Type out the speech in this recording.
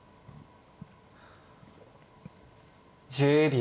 １０秒。